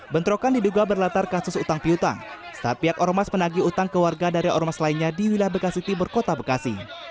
bentrokan diduga berlatar kasus utang piutang saat pihak ormas menagih utang ke warga dari ormas lainnya di wilayah bekasi timur kota bekasi